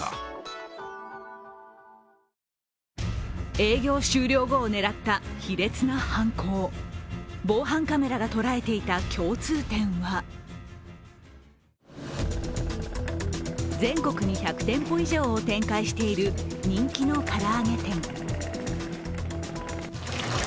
営業終了後を狙った、卑劣な犯行防犯カメラが捉えていた共通点は全国に１００店舗以上を展開している人気のから揚げ店。